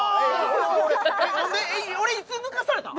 俺俺俺俺いつ抜かされたん？